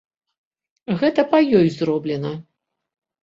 Гэта па ёй зроблена.